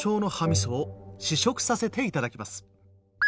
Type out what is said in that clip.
みそを試食させていただきます。